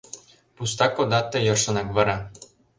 Пуста кодат тый йӧршынак вара.